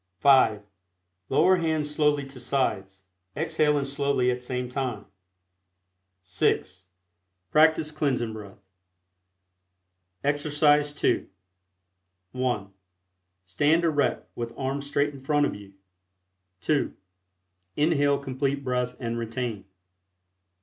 (5) Lower hands slowly to sides, exhaling slowly at same time. (6) Practice Cleansing Breath. EXERCISE II. (1) Stand erect, with arms straight In front of you. (2) Inhale Complete Breath and retain.